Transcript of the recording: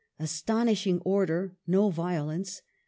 ''Astonishing order, no violence.